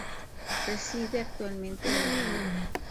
Reside actualmente en La Habana.